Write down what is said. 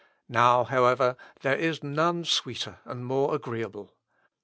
Now, however, there is none sweeter and more agreeable.